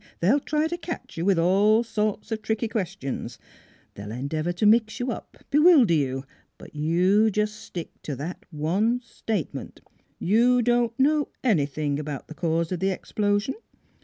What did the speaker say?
They'll try to catch you with all sorts of tricky questions. They'll endeavor to mix you up, bewilder you; but you just stick to that one statement: You don't know anything about the cause of the explosion.